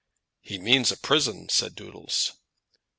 "He means a prison," said Doodles.